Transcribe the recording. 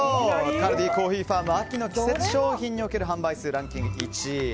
カルディコーヒーファーム秋の季節商品における販売数ランキング１位。